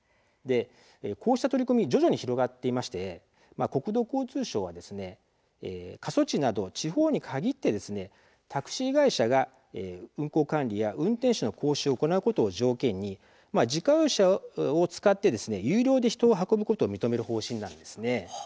こうした取り組み、徐々に広がっていまして国土交通省は過疎地など地方に限ってタクシー会社が運行管理や運転手の講習を行うことを条件に自家用車を使って有料で人を運ぶことを認める方針なんです。